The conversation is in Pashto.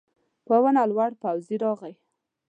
په ونه لوړ پوځي راغی.